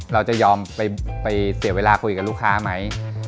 เราจะยอมไปเสียเวลาคุยกับลูกค้าไหม